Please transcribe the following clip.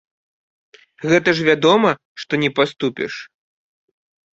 Гэта ж вядома, што не паступіш.